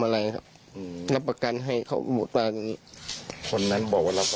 ได้ค่าจ้างมา๑๐๐๐บาท